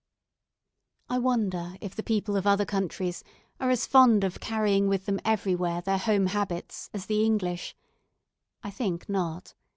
I wonder if the people of other countries are as fond of carrying with them everywhere their home habits as the English. I think not.